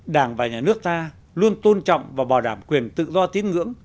đảng và nhà nước ta luôn tôn trọng và bảo đảm quyền tự do tín ngưỡng